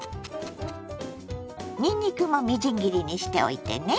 にんにくもみじん切りにしておいてね。